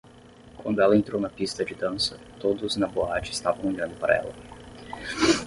Quando ela entrou na pista de dança, todos na boate estavam olhando para ela.